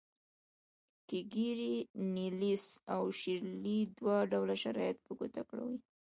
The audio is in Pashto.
کیکیري، نیلیس او شیرلي دوه ډوله شرایط په ګوته کوي.